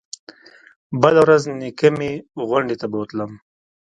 بله ورځ نيكه مې غونډۍ ته بوتلم.